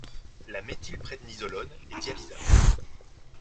La méthylprednisolone est dialysable.